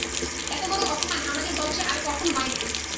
এত বড় অপমান আমাদের বংশে আর কখন হয় নাই।